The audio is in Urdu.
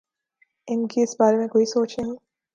ان کی اس بارے میں کوئی سوچ نہیں؟